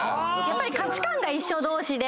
価値観が一緒同士で。